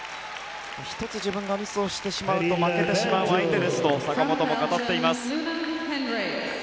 １つ自分がミスをしてしまうと負けてしまう相手ですと坂本も語っています。